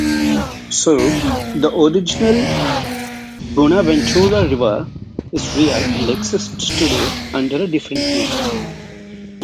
So, the original Buenaventura River is real and exists today under a different name.